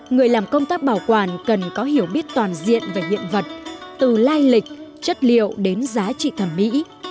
người làm công tác bảo quản cần có hiểu biết toàn diện về hiện vật từ lai lịch chất liệu đến giá trị thẩm mỹ